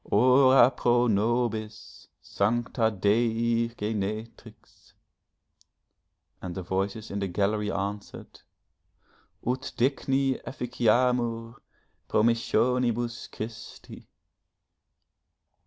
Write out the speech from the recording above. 'Ora pro nobis, Sancta Dei Genetrix!' and the voices in the gallery answered: 'Ut digni efficiamur promissionibus Christi.'